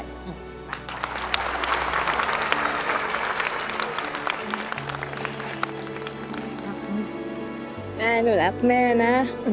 แม่หนูรักแม่นะ